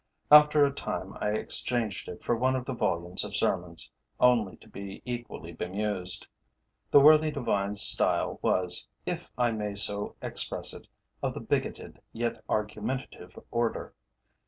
After a time I exchanged it for one of the volumes of sermons, only to be equally bemused. The worthy divine's style was, if I may so express it, of the bigoted, yet argumentative, order.